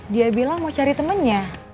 dia bilang mau cari temennya